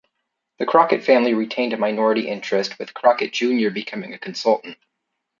The Crockett family retained a minority interest, with Crockett, Junior becoming a consultant.